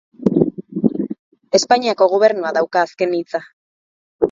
Espainiako Gobernuak dauka azken hitza.